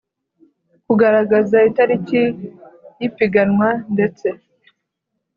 Kugaragaza itariki y ipiganwa ndetse